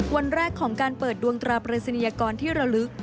วันแรกของการเปิดดวงตราปริศนียกรที่ระลึก